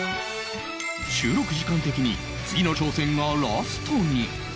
収録時間的に次の挑戦がラストに